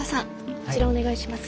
こちらお願いします。